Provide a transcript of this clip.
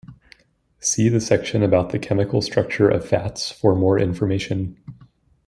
See the section about the chemical structure of fats for more information.